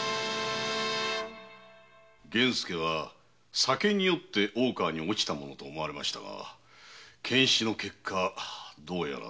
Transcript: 源助は酒に酔って大川に落ちたものと思われましたが検視の結果というと？